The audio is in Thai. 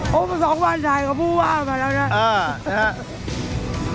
ผมสองวันชัยกับผู้ว่ามาแล้วนะ